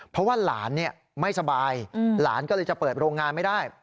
เพราะว่าหลานไม่สบายหลานก็เลยจะเปิดโรงงานไม่ได้